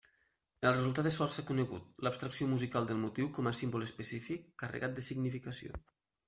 El resultat és força conegut: l'abstracció musical del motiu com a símbol específic, carregat de significació.